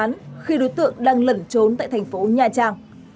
còn gây án khi đối tượng đang lẩn trốn tại thành phố nha trang